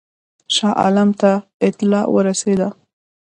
شاه عالم ته اطلاع ورسېده.